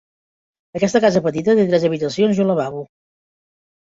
Aquesta casa petita té tres habitacions i un lavabo.